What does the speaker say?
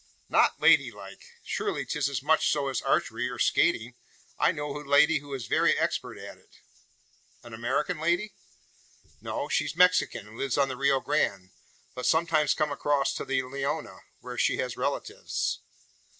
"Not lady like! Surely 'tis as much so as archery, or skating? I know a lady who is very expert at it." "An American lady?" "No; she's Mexican, and lives on the Rio Grande; but sometimes comes across to the Leona where she has relatives."